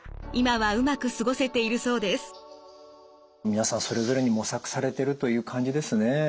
皆さんそれぞれに模索されてるという感じですね。